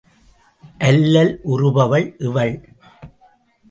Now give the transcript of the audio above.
அல்லல் உறுபவள் இவள்.